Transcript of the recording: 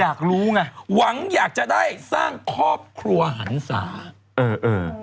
อยากรู้ไงหวังอยากจะได้สร้างครอบครัวหันศาเออเออ